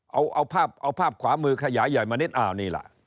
เอาภาพขวามือขยายใหญ่มานิดอ่านี่ล่ะ